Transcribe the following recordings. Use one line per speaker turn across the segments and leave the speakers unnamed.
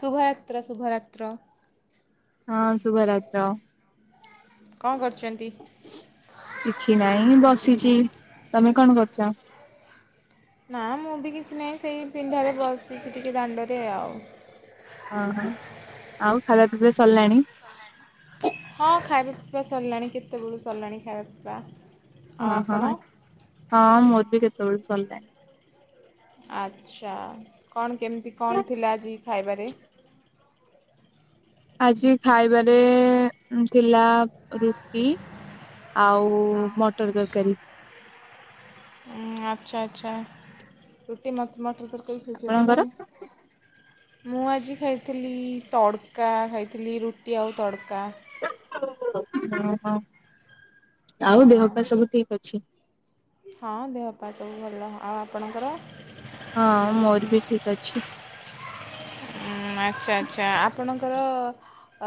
ଶୁଭରାତ୍ର ଶୁଭରାତ୍ର।
ହଁ ଶୁଭ ରାତ୍ର।
କ'ଣ କରୁଛନ୍ତି
କିଛି ନାହିଁ ବସିଛି। କି ତମେ କଣ କରୁଛ।
ନା ମୁଁ ବି କିଛି ନାହିଁ ସେଇ ପିଣ୍ଢା ରେ ବସିଛି ଟିକେ ଦାଣ୍ଡରେ ଆଉ।
ଓହୋ ଆଉ ଖାଇବା ପିବା।
ହଁ ଖାଇବ। ସରିଲାଣି କେତେବେଳୁ ସରିଲାଣି ଖାଇବା ପିଇବା। ଆଉ
ହଁ ହଁ
ଆପଣ
ହଁ ମୋର ବି କେ। ତବେଳୁ ସରିଲାଣି।
ଆଛା କଣ। କେମିତି କଣ ଥିଲା ଆଜି ଖାଇବାରେ।
ଆଜି ଖାଇବାରେ ଥିଲା ରୁଟି ଆଉ ମଟର ତରକାରୀ।
ହ ଆଚ୍ଛା ଆଛା ରୁଟି ମ ମଟର ତ।
ଆପଣଙ୍କର?
[unintelligible] ମୁଁ ଆଜି ଖାଇଥିଲି ତଡ଼କା ଖାଇଥିଲି ରୁଟି ଆଉ ତଡ଼କା।
[unintelligible] ଆଉ
ହଁ
ଦେହ ପା ସବୁ ଠିକ ଅଛି?
ହଁ ଦେହ ପା ସବୁ ଭଲ ହ। ଆଉ ଆପଣଙ୍କର।
ହଁ ମୋର ବି ଠିକ ଅଛି।
ହଁ ଆଚ୍ଛା ଆଛା ଆପଣଙ୍କର।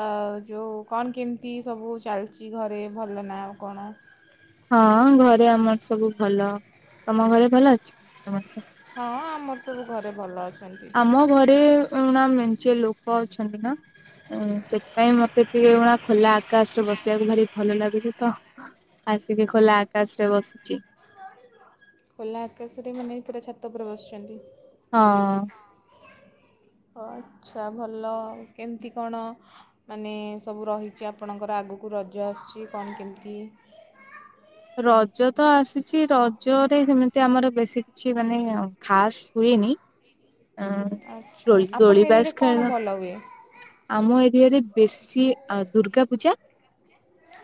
ଆ ଯୋଉ କଣ କେମିତି ସବୁ ଚାଲିଛି ଘରେ ଭଲ ନା ଆ କଣ।
ହଁ ଘରେ ଆମର ସବୁ ଭଲ ତମ ଘରେ ଭଲ ଅଛି ସମସ୍ତେ।
ହଁ ଆମର ସବୁ ଘରେ ଭଲ ଅଛି।
ଆମ ଘରେ [inaudible] [inaudible] ନା ସେଥିପାଇଁ ମତେ ଟିକେ [inaudible] ଖୋଲା ଆକାଶରେ ବସିବାକୁ ଭାରି ଭଲ ଲାଗୁଛି ତ ଆସିକି ଖୋଲା ଆକାଶରେ ବସିଛି।
ଖୋଲା ଆକାଶରେ ମାନେ ପୁରା ଛାତ ଉପରେ ବସିଛନ୍ତି।
ହଁ।
ଆଚ୍ଛା ଭଲ କେମିତି କଣ ମାନେ ସବୁ ରହିଛି ଆପଣଙ୍କର ଆଗକୁ ରଜ ଆସୁଛି କଣ କେମିତି?
ରଜ ତ ଆସିଛି ରଜରେ ସେମିତି ଆମର ବେଶୀ କିଛି ମାନେ ଖାସ ହୁଏନି। ଅ
ଆଚ୍ଛା ଆପଣଙ୍କ ଏରିଆରେ
ଦୋଳିିବାସ
କଣ ଭଲ ହୁଏ?
ଆମ ଏରିଆରେ ବେଶୀ ଅ ଦୁର୍ଗା ପୂଜା।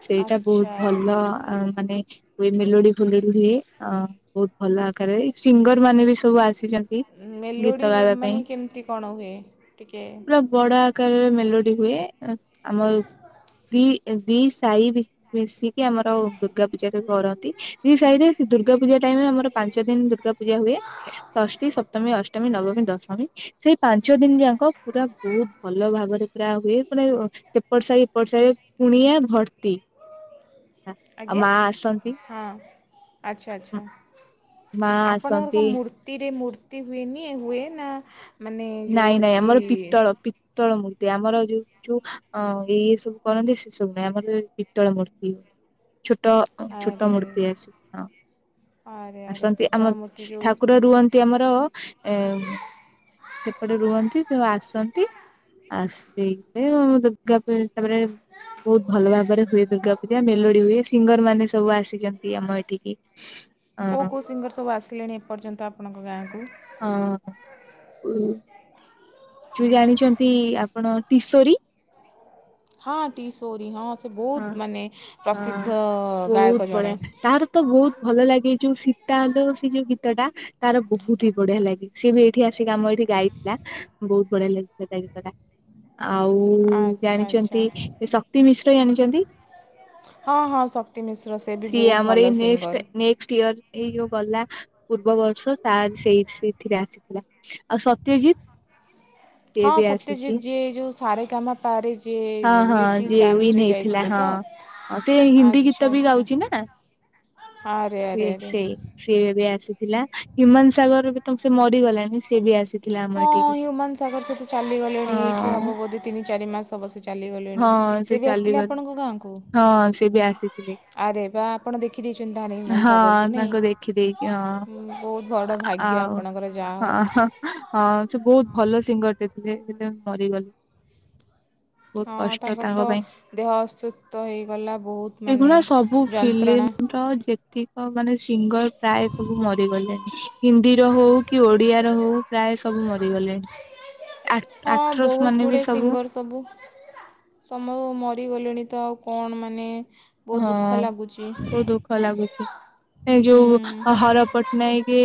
ସେଇଟା ବହୁତ
ଆଚ୍ଛା।
ଭଲ। ଅ ମାନେ ହୁଏ ମେଲୋଡି ଫେଲୋଡି ହୁଏ ଅ ବହୁତ ଭଲ ଆକାରରେ ସିଙ୍ଗର ମାନେ ବି ସବୁ ଆସିଛନ୍ତି। ଗୀତ
ମେଲୋଡ଼ି
ଗାଇବା ପାଇଁ
ମାନେ କେମିତି କଣ ହୁଏ ଟିକେ
କାର ମେଲୋଡି ହୁଏ ଆମ ଦି ଦି ସାହି ମିଶିକି ଆମର ଦୁର୍ଗା ପୂଜାରେ କରନ୍ତି ଦି ସାହିରେ ସେ ଦୁର୍ଗା ପୂଜା ଟାଇମ୍ ରେ ଆମର ପାଞ୍ଚ ଦିନ ଦୁର୍ଗା ପୂଜା ହୁଏ ଷଷ୍ଠୀ ସପ୍ତମୀ ଅ ଅଷ୍ଟମୀ ନବମୀ ଦଶମୀ ସେଇ ପାଞ୍ଚ ଦିନ ଯାକ ପୁରା ବହୁତ ଭଲ ଭାବରେ ପୁରା ହୁଏ ମାନେ ସେପଟ ସାହି ଏପଟ ସାହି କୁଣିଆ ଭର୍ତ୍ତି ଆଉ
ଆଜ୍ଞା
ମା ଆସନ୍ତି
ହଁ ଆଚ୍ଛା ଆଚ୍ଛା
ମା
ଆପଣଙ୍କର କଣ
ଆସନ୍ତି
ମୂର୍ତ୍ତିରେ ମୂର ତି ହୁଏନି ହୁଏ ନା ମାନେ ଯେଉଁ
ନାଇଁ ନାଇଁ
ହେଉଛି
ଆମର ପିତ୍ତଳ ପି ପିତ୍ତଳ ମୂର୍ତ୍ତି ଆମର ଯୋଉ ଯୋଉ ଏ ସବୁ କରନ୍ତି ସେ ସବୁ ନାହିଁ ଆମର ପିତ୍ତଳ ମୂର୍ତ୍ତି ଛୋଟ ଛୋଟ
ଆରେ
ମୂର୍ତ୍ତି ଅଛି ହଁ
ଆରେ ଆରେ
ଆସନ୍ତି ଆମ
ପିତ୍ତଳ ମୂର୍ତ୍ତି ଯେଉଁ
ଠାକୁର ରୁହନ୍ତି ଆମର ଏ ସେପଟେ ରୁହନ୍ତି ତ ଆସନ୍ତି ଆସିଲେ ଦୁର୍ଗା ପୂ ତାପରେ ବହୁତ ଭଲ ଭାବରେ ହୁଏ ଦୁର୍ଗା ପୂଜା ମେଲୋଡି ହୁଏ ସିଙ୍ଗର ମାନେ ସବୁ ଆସିଛନ୍ତି ଆମ ଏଠିକି। ଅ
କୋଉ କୋଉ ସିଙ୍ଗର ସବୁ ଆସିଲେଣି ଏପର୍ଯ୍ୟନ୍ତ ଆପଣଙ୍କ ଗାଁକୁ।
ହୁଁ। ଯୋଉ ଜାଣିଛନ୍ତି ଆପଣ ତିଶୋରୀ
ହଁ ତିଶୋରି ହ
ହଁ ହଁ ବହୁତ
ଗାୟକ ଜଣେ
ବଢିଆ ତାର ତ ବହୁତ ଭଲ ଲାଗେ ଯୋଉ ଶୀତା ଲୋ ସେ ଯୋଉ ଗୀତ ଟା ତାର ବହୁତ ହିଁ ବଢିଆ ଲାଗେ ସିଏ ବି ଏଇଠି ଆସେ ଗାମ ଏଇଠି ଗାଇଥିଲା ବହୁତ ବଢିଆ ଲାଗିଥିଲା ତା ଗୀତଟା। ଆଉ
ଆଚ୍ଛା ଆଚ୍ଛା
ଜାଣିଛନ୍ତି ଶକ୍ତି ମିଶ୍ ଆଣିଛନ୍ତି
ହଁ ହଁ ଶକ୍ତି ମିଶ୍ର ସେ ବି
ସିଏ
ବହୁତ
ଆମର ଏଇ
ଭଲ
ନେଷ୍ଟ
ସିଙ୍ଗର୍
ନେଷ୍ଟ ଇୟର ଏଇ ଯୋଉ ଗଲା ପୂର୍ବବର୍ଷ ତାର ସେଇ ସେଇଥିରେ ଆସିି ଆଉ ସତ୍ୟଜିତ ସିଏ
ହଁ
ବି ଆସିଛି
ସତ୍ୟଜିତ୍ ଯିଏ ଯୋଉ ସାରେ ଗାମା ପାରେ ରେ ଯିଏ ଲିଟିଲ ଚାନ୍ଦ
ନେଇଥିଲା ହଁ ହଁ ସେ ହିନ୍ଦୀ
ଆଚ୍ଛା
ଗୀତ ବି
ଆଚ୍ଛା
ଗାଉଚି ନା
ଆରେ
ସେ
ଆରେ ଆରେ
ସେ ସିଏ ଏବେ ଆସି ଥିଲା ହ୍ୟୁମାନ ସାଗରର ବି ତମ ସେ ମରିଗଲାଣି ସିଏ ବି ଆସି
ହଁ ହ୍ୟୁମାନ ସାଗର ସେଠି ଚାଲିଗଲେଣି ଏଇଠି
ହଁ
ହବ ବୋଧେ ତିନି ଚାରି ମାସ ହବ ସେ ଚାଲିଗଲେଣି
ହଁ ସେ
ସେବି ଆସ ଥିଲେ
ଚାଲିଗଲେ
ଆପଣଙ୍କ ଗାଁକୁ
ହଁ ସେ ବି ଆସିଥିଲେ
ଆରେ ବା ଆପଣ ଦେଖିଦେଇଛନ୍ତି ତାହେଲେ ହ୍ୟୁମାନ
ହଁ
ସାଗରକୁ ନାଇଁ
ତାଙ୍କୁ ଦେଖିଦେଇଛି ହଁ
ହୁଁ ବହୁତ ବଡ ଭାଗ୍ୟ
ଆଉ
ଆପଣଙ୍କର ଯାହା
ହଁ
ହଉ।
ହଁ ହଁ ସେ ବହୁତ ଭଲ ସିଙ୍ଗର ଥିଲେ ଥିଲେ ସେ ମରିଗଲେ। ବହୁତ
ହଁ
କଷ୍ଟ
ତାଙ୍କର ତ
ତାଙ୍କ ପାଇଁ
ଦେହ ଅସୁସ୍ଥ ହେଇଗଲା ବହୁତ ମାନେ
ଅଗୁନା ସବୁ
ଯନ୍ତ୍ରଣା
ଫିଲ୍ମ ର ଯେତିକ ମାନେ ସିଙ୍ଗର ପ୍ରାୟ ସବୁ ମରିଗଲେଣିି। ହିନ୍ଦୀର ହଉ କି ଓଡିଆର ହଉ ପ୍ରାୟ ସବୁ ମରିଗଲେଣି।
ହଁ
ଆକ୍ଟ୍ରସ
ବହୁତ
ମାନେ ବି
ଗୁଡ଼ିଏ ସିଙ୍ଗର ସବୁ ସମୁ ମ ରି ଗଲେଣି ତ ଆଉ କଣ ମାନେ ବହୁତ
ହଁ
ଦୁଃଖ ଲାଗୁଛି
ବହୁତ ଦୁଃଖ ଲାଗୁଛି
ହୁଁ,
ଯୋଉ ହର ପଟ୍ଟନାୟକ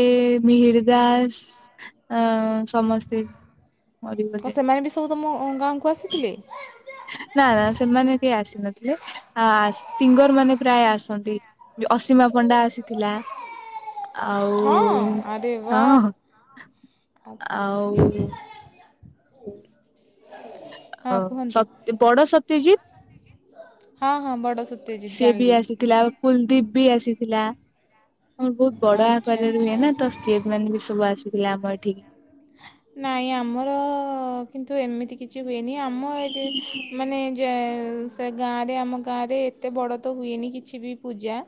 ମିହିର ଦାସ ଆଁ ସମସ୍ତେ ମରିଗଲେଣି।
କ ସେମାନେ ବି ସବୁ ତ ଗାଁ କୁ ଆସିଥିଲେ?
ନା ନା ସେମାନେ କିଏ ଆସିନଥିଲେ ଆଁ ସିଙ୍ଗର ମାନେ ପ୍ରାୟ ଆସନ୍ତି ଅସୀମା ପଣ୍ଡା ଆସିଥିଲା। ଆଉ
ହଁ ଆରେ
ହଁ
ବା
ଆଉ ହୁଁ।
ହଁ
ଅ
କୁହନ୍ତୁ
ସତ୍ ବଡ଼ ସତ୍ ଟିଜିତ
ହଁ ହଁ ବ
ସିଏ ବି ଆସିଥିଲା କୁଲଦୀପ୍ ବି ଆସିଥିଲା ହଁ ବହୁତ ବଡ
ଆଚ୍ଛା
ଆକାରରେ ରୁହେ
ଆଚ୍ଛା
ନା ତ ସିଏ ବି ମାନେ ବି ସବୁ ଆସିଥିଲା ଆମ ଏଠି ଠିକ।
ନାଇଁ ଆମର କିନ୍ତୁ ଏମିତି କିଛି ହୁଏନି। ଆମ ଏଦି ମାନେ ଯେ ସେ ଗାଁରେ ଆମ ଗାଁରେ ଏତେ ବଡ଼ ତ ହୁଏନି କିଛି ବି ପୂଜା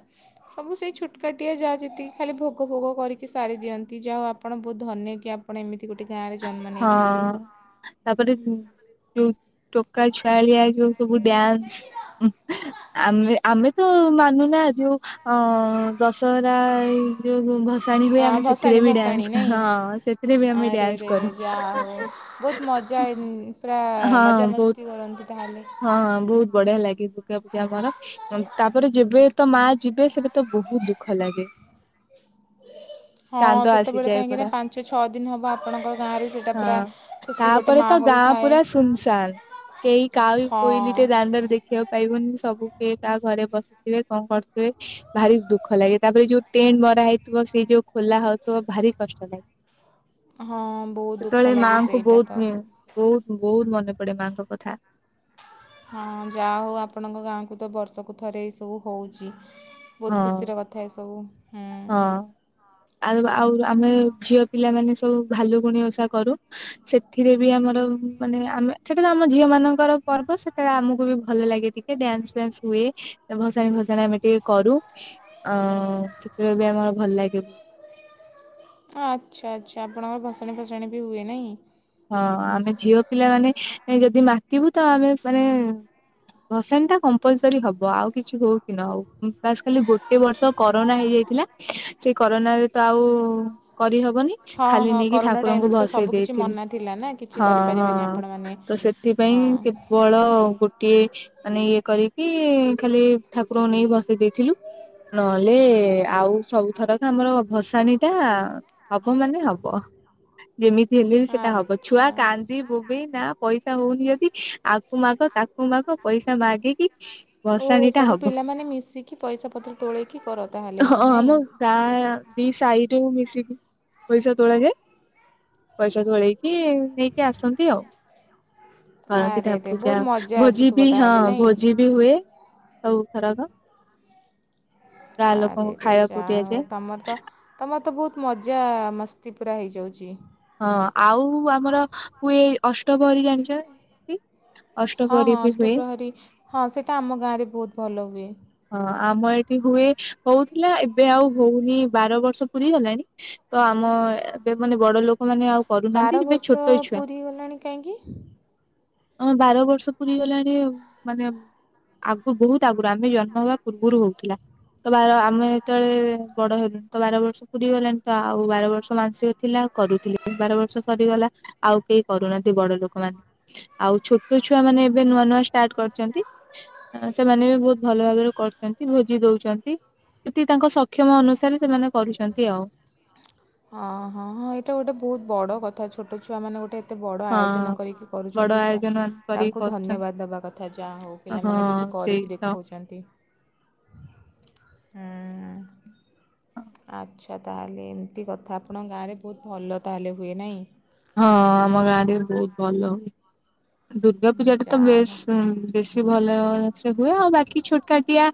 ସବୁ ସେଇ ଛୋଟକାଟିଆ ଯାହା ଯେତିକି ଖାଲି ଭୋଗ ଭୋଗ କରିକି ସାରିଦିଅନ୍ତି ଯାହା ଆପଣ ବହୁତ ଧନ୍ୟ କିଆପ ପଣ ଏମିତି ଗୋଟେ ଗାଁରେ ଜନ୍ମ ନେଇଛନ୍ତି
ହଁ ତାପରେ ଯୋଉ ଟୋକା ଛୁଆଳିଆ ଯୋଉ ସବୁ ଡ୍ୟାନ୍ସ ଆମେ ଆମେ ତ ମାନୁନା ଯୋଉ ଅ ଦଶହରା ଏଇ ଯୋଉ ଭସ ସାଣି ହୁଏ
ଆଁ,
ଆମେ ସେଥିରେ
ଭସାଣି
ବି
ଭସାଣି
ଡ୍ୟାନ୍ସ
ନାଇଁ
ହଁ ସେଥିରେ ବି ଆମେ
ଆରେ
ଡ୍ୟାନ୍ସ କରୁ।
ଯାହା ହଉ ବହୁତ ମଜା ଏଇ
ହଁ ବହୁତ ହଁ ବହୁତ ବଢିଆ ଲାଗେ ଯେମିତି ଆମର ତାପରେ ଯେବେ ତ ମା ଯିବେ ସେବେ ତ ବହୁତ ଦୁଃଖ ଲାଗେ।
ହଁ
କାନ୍ଦ
ସେତେବେଳେ
ଆସିଯାଏ ପୁରା।
କାହିଁକିନା ପାଞ୍ଚ ଛଅ ଦିନ ହେବ ଆପଣଙ୍କ ଗାଁରେ ସେଇଟା ପୁରା ଖୁସି ଗୋଟେ ମାହୋଲ ଥାଏ।
ସୁନ୍‌ସାନ୍‌ କେହି କାଉ
ହଁ
କୋଇଲି ଟେ ଦାଣ୍ଡାରେ ଦେଖିବାକୁ ପାଇବନି ସବୁ କେ କା ଘରେ ବସିଥିବେ କଣ କରୁଥିବେ ଭାରି ଦୁଃଖ ଲାଗେ ତାପରେ ଯୋଉ ଟେଣ୍ଟ ମରା ହେଇଥିବ ସେ ଯୋଉ ଖୋଲା ହଉଥିବ ଭାରି କଷ୍ଟ ଲାଗେ।
ହଁ ବହୁତ
ସେତେବେଳେ
ଦୁଃଖ ଲାଗେ
ମାଆଙ୍କୁ
ସେଇଟା
ବହୁତ
ତ।
ବହୁତ ବହୁତ ମନେ ପଡେ ମାଙ୍କ କଥା।
ହଁ ଯାହା ହଉ ଆପଣଙ୍କ ଗାଁକୁ ତ ବର୍ଷକୁ ଥରେ ଏଇ ସବୁ ହଉଛି। ବହୁତ
ହଁ
ଖୁସିର କଥା ଏ ସବୁ।
ହଁ ଆଉ ଆଉ ଆମେ ଝିଅ ପିଲାମାନେ ସ [unintelligible] ଭାଲୁକୁଣି ଓଷା କରୁ, ସେଥିରେ ବି ଆମର ମାନେ ଆମେ ସେଟା ତ ଆମ ଝିଅ ମାନଙ୍କର ପର୍ବ ସେଟା ଆମକୁ ବି ଭଲ ଲାଗେ ଟିକେ ଡ୍ୟାନ୍ସ ଫ୍ୟାନ୍ସ ହୁଏ, ଭସାଣି ଫସାଣି ଆମେ ଟିକେ କରୁ, ଆ ସେଥିରେ ବି ଆମର ଭଲ ଲାଗେ।
ଆଚ୍ଛା ଆଚ୍ଛା ଆପଣଙ୍କର ଭସାଣୀ ଫସାଣୀ ବି ହୁଏ ନାହିଁ?
ହଁ ଆମେ ଝିଅ ପିଲା ମାନେ ଯଦି ମାତିିବୁ ତ ଆମେ ମାନେ ଭସାଣିଟା କମ୍ପଲସରି ହବ, ଆଉ କିଛି ହଉ କି ନ ହଉ, ବାସ ଖାଲି ଗୋଟେ ବର୍ଷ କରୋନା ହେଇଯାଇଥିଲା, ସେ କରୋନାରେ ତ ଆଉ କରିହ ବ,
ହଁ
ଖାଲି
ହଁ
ନେଇକି
କରୋନା
ଠାକୁରଙ୍କୁ
ଟାଇମ୍ରେ ତ
ଭସେଇ
ସବୁକିଛି
ଦେଇଥିଲୁ।
ମନା ଥିଲା ନା କିଛି
ହଁ ହଁ,
କରିପାରିବେନି ଆପଣମାନେ
ତ ସେଥିପାଇଁ
ହଁ
କେବଳ ଗୋଟିଏ ମାନେ ଇଏ କରି [unintelligible] ଖାଲି ଠାକୁରଙ୍କୁ ନେଇି ଭସେଇ ଦେଇଥିଲୁ ନହେଲେ ଆଉ ସବୁଥରକ ଆମର ଭସାଣିଟା ହବ ମାନେ ହବ, ଯେମିତି ହେଲେ ହବ ଛୁଆ
ଆଚ୍ଛା
କାନ୍ଦି ବୋବେଇ ନା ପଇ ସା ହଉନି ଯଦି ଆକୁ ମାଗ ତାକୁ ମାଗ ପଇସା ମାଗିକି
ଓହୋ
ଭସାଣି ଟା
ସବୁ
ହବ
ପିଲାମାନେ ମିଶିକି ପଇସା ପତ୍ର ତୋଳେଇକି କର ତାହେଲେ
ହଁ ଆମ
ନାଇଁ?
ଗାଁ [unintelligible] ମିଶିକି ପଇସା ତୋଳାଯାଏ, ପଇସା ତୋଳେଇ କି ନେଇକି ଆସନ୍ତି ଆଉ। କରନ୍ତି ଟା
ଆରେ ରେ ବହୁତ
ପୂଜା
ମଜା
ଭୋଜି
ଆସୁଥିବ
ବି ହଁ
ତାହେଲେ ନାଇଁ
ଭୋଜି ବି ହୁଏ, ଆଉ [unintelligible]
ଆ ଯାହା ହଉ ତମର ତ ତମର ତ ବହୁତ ମଜା ମସ୍ ଶତି ପୁରା ହେଇଯାଉଛି।
ହଁ ଆଉ ଆମର କୁଏ ଅଷ୍ଟ ଭର ଜାଣିଛ।
ହଁ ହଁ ଅଷ୍ଟପ୍ରହରୀ ହଁ ସେଇଟା ଆମ ଗାଁରେ ବହୁତ ଭଲ ହୁଏ।
ହଁ ଆମ ଏଠି ହୁଏ ହଉଥିଲା ଏବେ ଆଉ ହଉନି ବାର ବର୍ଷ ପୁରରି ଗଲାଣି ତ ଆମ ଏବେ ମାନେ ବଡ ଲୋକ
ବାର ବର୍ଷ ପୁରୀ ଗଲାଣି କାହିଁକି
ହମ ବାର ବର୍ଷ ପୁରୀ ଗଲାଣି ମାନେ ଆଗରୁ ବହୁତ ଆଗରୁ ଆମେ ଜନ୍ମ ପବ ହଥିଲା ତ ବ ଆମେ ଯେତେବେଳେ ବ ହେଲୁଣି ତ ବାର ବର୍ଷ ପୁରୀ ଗଲାଣି ତ ଆଉ ବାର ବର୍ଷ ମାଂସିକ ଥିଲା କରୁଥିଲେ। ବାର ବର୍ଷ ସରିଗଲା ଆଉ କେହି କରୁନାହାନ୍ତି ବଡ ଲୋକ ମ ଆଉ ଛୋଟ ଛୁଆ ମାନ ଏବେ ନୂଆ ନୂଆ ଷ୍ଟାର୍ଟ କରିଛନ୍ତି ସେମାନେ ବି ବହୁ ଭଲ ଭରେ କରୁଛନ୍ତି ଭୋଜି ଦଉଛନ୍ତି ସେଠି ତାଙ୍କ ସକ୍ଷମ ଅନୁସାରେ ସେମାନେ କରୁଛନ୍ତି ଆଉ।
ଅ ହଁ ହଁ ଏଇଟା ଗୋଟେ ବହୁତ ବଡ କଥା ଛୋଟ ଛଆ ମାନେ ଗୋଟେ ଏତେ ବଡ଼
ହଁ।
ଆୟୋଜନ କରିକି
ବଡ
କରୁଛନ୍ତି। ସେଟା
ଆୟୋଜନ ମାନ କରିକି
ତାଙ୍କୁ
କରୁଛନ୍ତି
ଧନ୍ୟବାଦ ଦେବା କଥା ଯାହା ହଉ
ହଁ
ପିଲାମାନେ କିଛି
ସେଇ
କରିକି
ତ।
ଦେଖାଉଛନ୍ତି। ହୁଁ। ଆଚ୍ଛା ତାହେଲେ ଏମିତି କଥା ଆପଣଙ୍କ ଗାଁରେ ବହୁତ ଭଲ ତାହେଲେ ହୁଏ ନାହିଁ।
ହଁ ଆମ ଗାଁରେ ବହୁତ ଭଲ ହଉ ଦୁର୍ଗା ପୂଜା ଟା ତ
ଯାହା ହଉ।
ବେଶ ବେଶୀ ଭଲ ସେ ହୁଏ ଆଉ ବାକି ଛୋଟକାାଟିଆ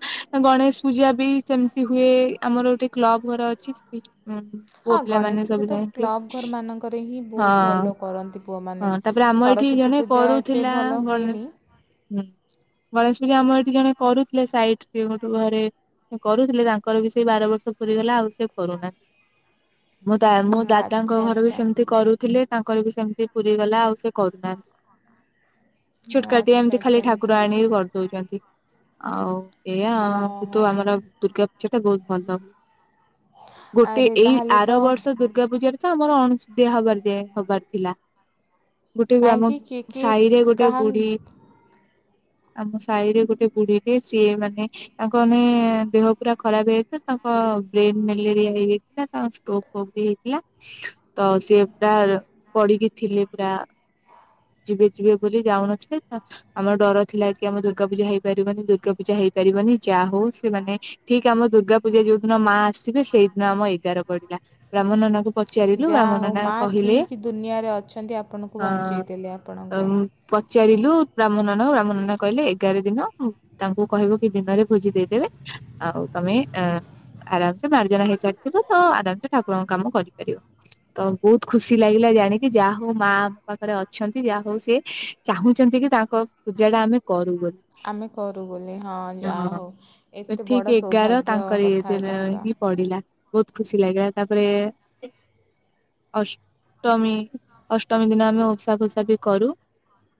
ଗଣେଶ ପୂଜା ବି ସେମିତି ହୁଏ ଆମର ଗୋଟେ କ୍ଲବ ଘର ଅଛି ସେ ହୁଁ
ହଁ
ପୁଅ
ଗଣେଶ
ପିଲାମାନୋନ
ପୂଜା
ସବୁ
ତ
ଯାଇକି?
କ୍ଲବ୍ ଘରମାନଙ୍କରେ ହିଁ ବହୁତ ଭଲ
ହଁ
କରନ୍ତି। ପୁଅ ମ
ହଁ ତାପରେ ଆମ ଏଠି
ସରସ୍ଵତୀ
ଜଣେ
ପୂଜା ଏତେ
କରୁଥିଲା
ଭଲ ହୁଏନି
ଆମର ଏଠି ଜଣେ କରୁଥିଲେ ସାଇଟ ଗୋଟେ ଘରେ କରୁଥିଲେ ତାଙ୍କର ବି ସେଇ ବାର ବର୍ଷ ପୁରରିଗଲା ଆଉ ସେ କରୁନାହିଁ। ମୁଁ
ହୁଁ
ମୋ
ଆଚ୍ଛା
ଦାଦାଙ୍କ ଘର ବି
ଆଚ୍ଛା
ସେମିତି କରୁଛି। ତାଙ୍କର ବି ସେମିତି ପୁରୀଗଲା ଆଉ ସେ କରୁନାହାନ୍ତି। ଛୋଟକାଟି
ଆଚ୍ଛା
ଏମିତି
ଆଚ୍ଛା
ଖାଲି ଠାକୁର
ଏମିତି।
ଆଣି କରିଦଉଛନ୍ତି। ହଉ ଏଇଆା
ଓହୋ
କିନ୍ତୁ ଆମର ଦୁର୍ଗାା ସେଟା ବହୁତ ଭଲ। ଗୋଟେ
ଆରେ
ଏଇ
ତାହେଲେ ତ
ଆର ବର୍ଷ ଦୁର୍ଗା ପୂଜାରେ ତ ଆମର ଅଣିଆ ହବାର ଯେ ହବାର ଥିଲା ଗୋଟେ ଆମ
କାହିଁକି କିଏ କିଏ
ସାହି ରେ ଗୋଟେ
କାହା
ବୁଢୀ ଆମ ସାହି ରେ ଗୋଟେ ବୁଢୀଟି ସିଏ ମାନେ ତାଙ୍କ ମାନେ ଦେହ ପୁରା ଖରାପ ହେଇଯାଇଥିଲା ତାଙ୍କ ବ୍ରେନ ମ୍ୟାଲେରିଆ ହେଇଯାଇଥିଲା ତାଙ୍କ ଷ୍ଟୋକ ଫକ୍ ବି ହେଇଥିଲା ତ ସିଏ? ପୁରା ପଡିକି ଥିଲେ ପୁରା ଯିବେ ଯିବେ ବୋଲି ଯାଉନଥିଲେ ଆମର ଡର ଥିଲା କି ଆମ ଦୁର୍ଗା ପୂଜା ହେଇପାରିବନି ଦୁର୍ଗା ପୂଜା ହେଇପାରିବନି ଯାହା ହଉ ସେମାନେ ଠିକ ଆମ ଦୁର୍ଗା ପୂଜା ଯୋଉ ଦିନ ମା ଆସିବେ ସେଇଦିନ ଆମ ଏଗାର ପଡିଲା ବ୍ରାହ୍ମଣ ନା ପଚାରିଲୁ
ଯାହା
ଆାମନ
ହଉ
ନା?
ମା ଠିକ୍ ଦୁନିଆଁରେ ଅଛନ୍ତି ଆପଣଙ୍କୁ ବଞ୍ଚେଇ ଦେେଲେ ଆପଣଙ୍କ
ପଚାରିଲୁ ର୍ରାମନନ ର୍ରାମନନ କହିଲେ ଏଗାର ଦିନ ତାଙ୍କୁ କହିବୁ କି ଦିନରେ ଭୋଜି ଦେଇଦେବେ ଆଉ ତମେ ଆରାମସେ ମାର୍ଜନା ହେଇସାରିଥିବ ତ ଆରାମସେ ଠାକୁରଙ୍କ କାମ କରିପାରିବ।। ବହୁତ ଖୁସି ଲାଗିଲା ଜାଣିକି ଯାହା ହଉ ମା ଆମ ପାଖରେ ଅଛନ୍ତି ଯାହା ହଉ ସେି ଚାହୁଁଛନ୍ତି କି ତାଙ୍କ ପୂଜା ଟା ଆମେ କରୁ ବୋଲିନ।
ଆମେ କରୁ ବୋଲି ହଁ ଯା ହଉ ଏତେ
ଠିକ
ବଡ଼
ଏଗାର
ସୌଭାଗ୍ୟ
ତାଙ୍କରି
କଥା ଏଇଟା ପୁରା।
ହିଁ ପଡିଲା ବହୁତ ଖୁସି ଲାଗା ତାପରେ ଅଷ୍ଟମୀ ଅଷ୍ଟମୀ ଦିନ ଆମେ ଓଷା ଫୋଷା ବି କରୁ।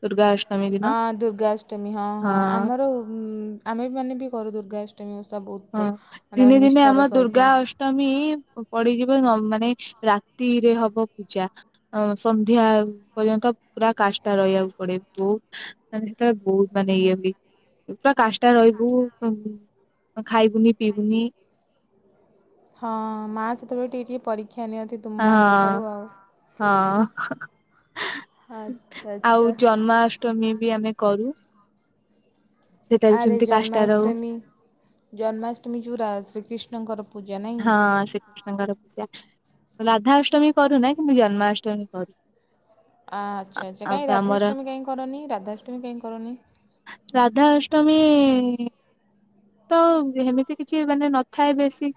ଦୁର୍ଗା ଅଷ୍ଟମୀ ଦିନ
ଅଁ ଦୁର୍ଗାଷ୍ଟମୀ ହଁ ହଁ ଆମର ଉ ଆମେ ମାନେ ବି କରୁ ଦୁର୍ଗାଷ୍ଟମୀ ତେ
ହଁ ଦିନେ ଦିନେ ଆମ ଦୁର୍ଗା ଅଷ୍ଟମୀ ପଡିଯିବ ମାନେ ମାନେ ରାତିରେ ହବ ପୂଜା ସନ୍ଧ୍ୟା ପର୍ଯ୍ୟନ୍ତ ପୁରା କାଷ୍ଟା ରହିବାକୁ ପଡେ ବହୁତ ମେ ସେତେବେଳେ ବହୁତ ମାନେ ଇଏ ହୁଏ ପୁରା କାଷ୍ଟା ରହିବୁ ଖାଇଗୁନି ପିଗୁନି।
ହଁ ମା ସେତେବେଳେ ଟିକେ ଟିକେ ପରୀକ୍ଷା। ନିଅନ୍ତି ତୁମମାନଙ୍କ ଠାରୁ
ହଁ
ଆଉ
ହଁ।
ଆଚ୍ଛା ଆଚ୍ଛା
ଆଉ ଜନ୍ମାଷ୍ଟମୀ ବି ଆମେ କରୁ। ସେଟା ବି
ଆରେ
ସେମିତି କାଷ୍ଟା ରହୁ
ଜନ୍ମାଷ୍ଟମୀ ଜନ୍ମାଷ୍ଟମୀ ଯେଉଁୁରାସ କୃଷ୍ଣଙ୍କର
ହଁ ଶ୍ରୀକୃଷ୍ଣଙ୍କର ପୂଜା ରାଧାଷ୍ଟମୀ କରୁନା କିନ୍ତୁ ଜନ୍ମାଷ୍ଟମୀ କରୁ
ଆଚ୍ଛା ଆଚ୍ଛା
ଆଉ
କାହିଁ
ତ ଆମର
ରାଧାଷ୍ଟମୀ କାହିଁ କରନି ରାଧାଷ୍ଟମୀ କାହିଁ କରନି
ତମେ ତ ଏମିତି କିଛି ମାନେ ନଥାଏ ବେଶୀ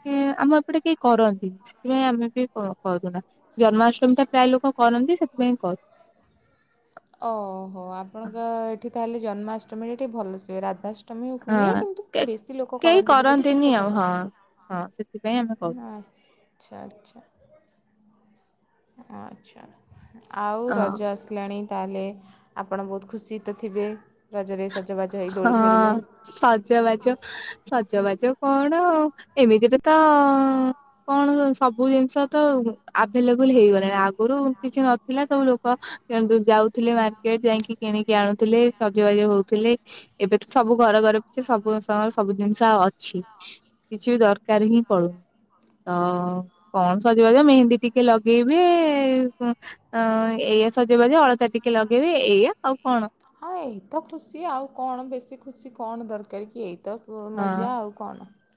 ଆମ ଏପଟେ କେହି କରନ୍ତିନି ସେଥିପାଇଁ ଆମେ ବି କରୁନା ଜନ୍ମାଷ୍ଟମୀ ତ ପ୍ରାୟ ଲୋକ କରନ୍ତି ସେଥିପାଇଁ କରୁ?
ଓହୋ ଆପଣଙ୍କ ଏଠି ତାହେଲେ ଜନ୍ମାଷ୍ଟମୀରେ ଟିକେ ଭଲସିବ ରାଧାଷ୍ଟମ ମ ହୁଏ କିନ୍ତୁ
ହଁ
ବେଶୀ ଲୋକ
କେହି
କରନ୍ତିନି ବୋଲି ସେତେ
ଆଉ
ଭଲ
ହଁ ହଁ ସେଥିପାଇଁ ଆମେ କରୁ
ଆଛା ଆଛା। ଆଛା। ଆଉ
ହଁ
ରଜ ଆସିଲାଣି ତାହେଲେ ଆପଣ ବହୁତ ଖୁସି ତ ଥିବେ ରଜରେ ସ
ହଁ ସଜ ବାଜ ସଜ ବାଜ କଣ ଏମିତିରେ ତ କଣ ସବୁ ଜିନିଷ ତ ଆଭେଲେବୁଲ ହେଇଗଲାଣି ଆଗରୁ କିଛି ନଥିଲା ସବୁ ଲୋକ ଯାଉଥିଲେ ମାର୍କେଟ ଯାଇକି କିଣିକି ଆଣୁଥିଲେ ସଜବାଜି ହଉଥିଲେ ଏବେ ତ ସବୁ ଘର ଘରେ ପଛି ସବୁଙ୍ଗର ସବୁ ଜିନିଷ ଅଛି କିଛି ବି ଦରକାର ହିଁ ପଡୁନି ତ କଣ ସଜେଇବା ଦିବ ମେହେନ୍ଦୀ ଟିକେ ଲଗେଇବେ ଏଇଆ ସଜେଇବା ଦ ଅଳତା ଟିକେ ଲଗେଇବେ ଏଇଆ ଆଉ କଣ
ହଁ ଏଇତ ଖୁସି ଆଉ କଣ ବେଶୀ ଖୁସି କଣ ଦରକାର କି ଏଇ ତ
ହଁ।
ମଜା ଆଉ କଣ